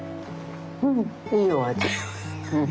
うんいいお味。